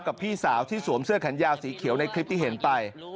พี่สาวที่สวมเสื้อแขนยาวสีเขียวในคลิปที่เห็นไป